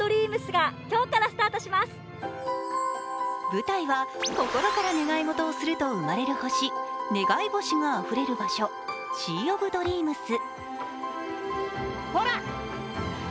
舞台は心から願いごとをすると生まれる星、願い星があふれる場所シー・オブ・ドリームス。